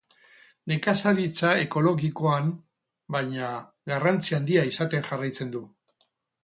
Nekazaritza ekologikoan, baina, garrantzi handia izaten jarraitzen du.